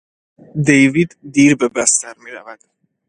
دیوید دیر به بستر میرود.